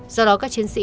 do đó các chiến sĩ